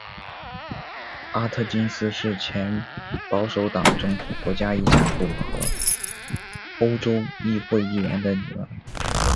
阿特金斯是前保守党政府国家遗产部和欧洲议会议员的女儿。